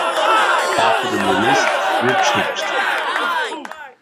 After the release the group changed.